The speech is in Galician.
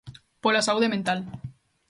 Pola Saúde Mental.